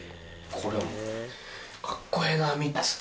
これ。